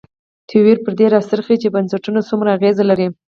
تیوري پر دې راڅرخي چې بنسټونه څومره اغېز لري.